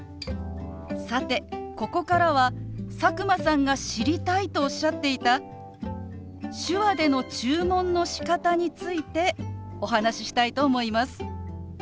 さてここからは佐久間さんが知りたいとおっしゃっていた手話での注文のしかたについてお話ししたいと思います。